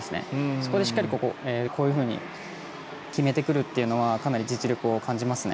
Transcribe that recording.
そこで、しっかりとこういうふうに決めてくるっていうのはかなり実力を感じますね。